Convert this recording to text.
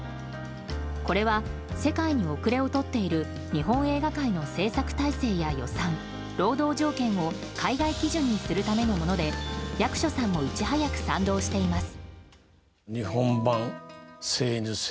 これは世界に遅れをとっている日本映画界の制作体制や予算、労働条件を海外基準にするためのもので役所さんもいち早く賛同しています。